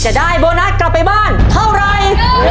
จะได้โบนัสกลับไปบ้านเท่าไร